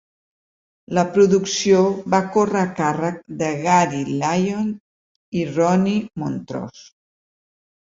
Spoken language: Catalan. La producció va córrer a càrrec de Gary Lyons i Ronnie Montrose.